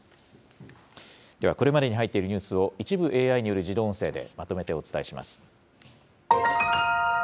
ではこれまでに入っているニュースを一部ＡＩによる自動音声でまとめてお伝えします。